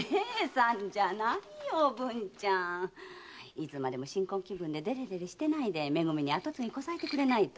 いつまでも新婚気分でデレデレしてないでめ組に跡継ぎこさえてくれないと。